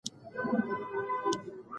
د مامور خبرې خوښې شوې.